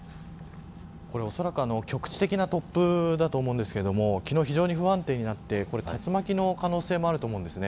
おそらく局地的な突風だと思うんですけど昨日非常に不安定になって竜巻の可能性もあると思います。